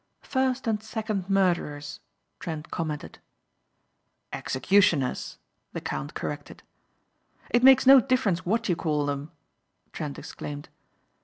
"First and second murderers," Trent commented. "Executioners," the count corrected. "It makes no difference what you call them," Trent exclaimed.